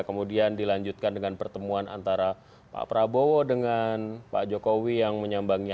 kemudian dilanjutkan dengan pertemuan antara pak prabowo dengan pak jokowi yang menyambangi